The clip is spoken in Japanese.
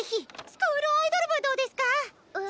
スクールアイドル部どうですか⁉え。